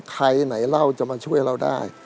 ใครไหนเราจะมาช่วยเราได้